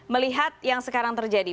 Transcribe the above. melihat yang sekarang terjadi